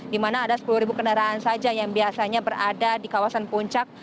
di mana ada sepuluh kendaraan saja yang biasanya berada di kawasan puncak